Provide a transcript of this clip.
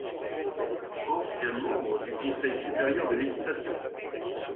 Ancien membre du Conseil supérieur de l'équitation.